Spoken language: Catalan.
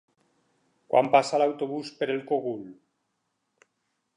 Quan passa l'autobús per el Cogul?